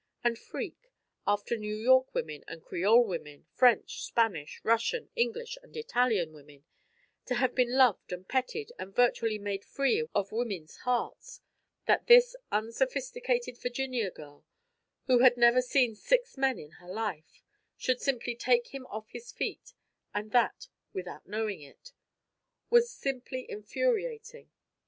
And Freke after New York women and Creole women, French, Spanish, Russian, English, and Italian women to have been loved and petted, and virtually made free of women's hearts; that this unsophisticated Virginia girl, who had never seen six men in her life, should simply take him off his feet, and that, without knowing it was simply infuriating.